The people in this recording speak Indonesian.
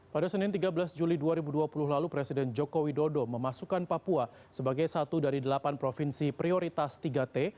pada senin tiga belas juli dua ribu dua puluh lalu presiden joko widodo memasukkan papua sebagai satu dari delapan provinsi prioritas tiga t